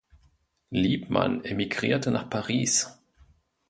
Liebmann emigrierte nach Paris.